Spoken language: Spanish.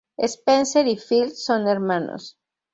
Spencer y Phil son hermanos.